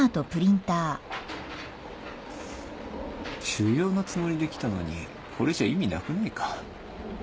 修業のつもりで来たのにこれじゃ意味なくないか？